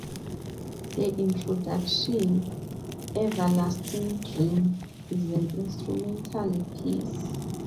The introduction, "Everlasting Dream", is an instrumental piece.